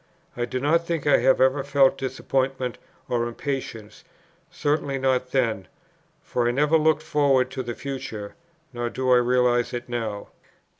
I do not think I have ever felt disappointment or impatience, certainly not then; for I never looked forward to the future, nor do I realize it now.